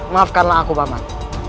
maafkanlah aku paman